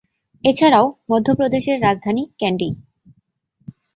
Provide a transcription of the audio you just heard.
এছাড়াও মধ্যপ্রদেশের রাজধানী ক্যান্ডি।